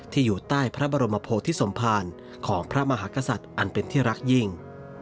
อยู่ใต้พระบรมโพธิสมภารของพระมหากษัตริย์อันเป็นที่รักยิ่ง